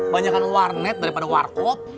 banyakan warnet daripada warkop